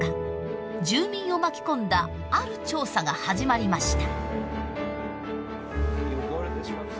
住民を巻き込んだある調査が始まりました。